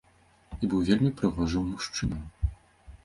І быў вельмі прыгожым мужчынам.